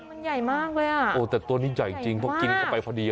มันใหญ่มากเลยอ่ะโอ้แต่ตัวนี้ใหญ่จริงเพราะกินเข้าไปพอดี